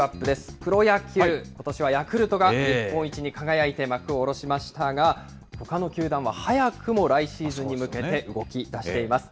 プロ野球、ことしはヤクルトが日本一に輝いて幕を下ろしましたが、ほかの球団は早くも来シーズンに向けて動きだしています。